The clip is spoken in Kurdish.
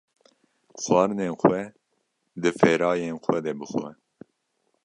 Xwarinên xwe di ferayên xwe de bixwe